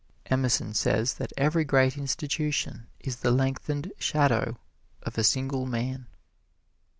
Emerson says that every great institution is the lengthened shadow of a single man.